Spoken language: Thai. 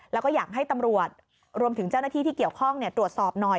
แล้วก็อยากให้ตำรวจรวมถึงเจ้าหน้าที่ที่เกี่ยวข้องตรวจสอบหน่อย